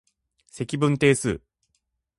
積分定数